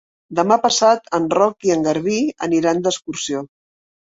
Demà passat en Roc i en Garbí aniran d'excursió.